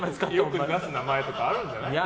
よく出す名前とかあるんじゃないですか？